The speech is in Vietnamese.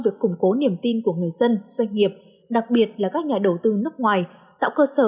việc củng cố niềm tin của người dân doanh nghiệp đặc biệt là các nhà đầu tư nước ngoài tạo cơ sở